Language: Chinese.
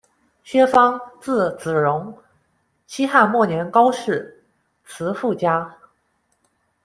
薛方，字子容，西汉末年高士、辞赋家。